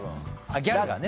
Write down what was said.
ギャルがね。